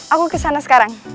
aku kesana sekarang